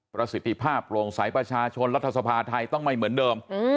ประสิทธิภาพโปร่งใสประชาชนรัฐสภาไทยต้องไม่เหมือนเดิม